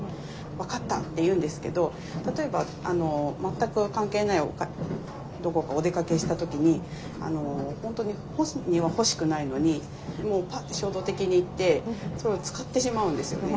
「分かった」って言うんですけど例えば全く関係ないどこかお出かけした時に本当に本人は欲しくないのにもうパッて衝動的に行って使ってしまうんですよね。